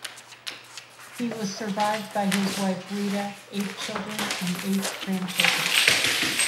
He was survived by his wife, Rita, eight children and eight grandchildren.